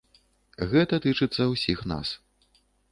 Гэта тычыцца ўсіх нас.